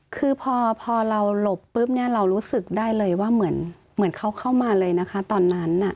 คือพอเราหลบปุ๊บเนี่ยเรารู้สึกได้เลยว่าเหมือนเขาเข้ามาเลยนะคะตอนนั้น